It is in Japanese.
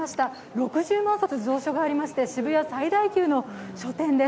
６０万冊、蔵書がありまして渋谷最大級の書店です。